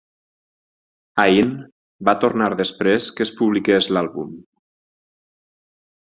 Ain va tornar després que es publiqués l'àlbum.